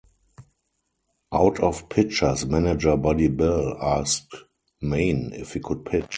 Out of pitchers, manager Buddy Bell asked Mayne if he could pitch.